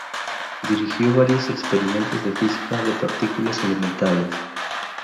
Dirigió varios experimentos de física de partículas elementales.